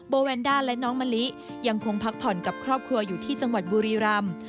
แนนด้าและน้องมะลิยังคงพักผ่อนกับครอบครัวอยู่ที่จังหวัดบุรีรำ